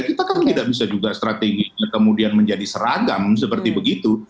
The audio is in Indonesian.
kita kan tidak bisa juga strateginya kemudian menjadi seragam seperti begitu